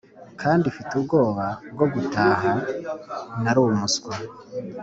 kandi mfite ubwoba bwo gutaha, nari umuswa